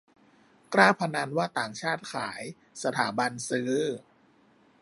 กล้าพนันว่าต่างชาติขาย สถาบันซื้อ